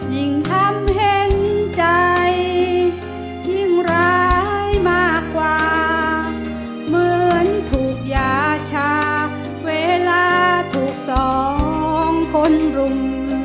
ยิ่งทำเห็นใจยิ่งร้ายมากกว่าเหมือนถูกยาชาเวลาถูกสองคนรุม